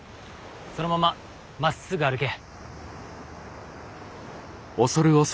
そのまままっすぐ歩け。